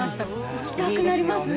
行きたくなりますね。